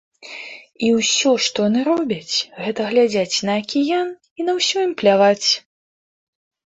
І ўсё, што яны робяць, гэта глядзяць на акіян, і на ўсё ім пляваць.